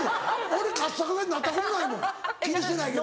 俺カッサカサになったことないもん気にしてないけど。